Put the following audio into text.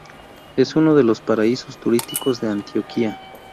Es uno de los paraísos turísticos de Antioquia.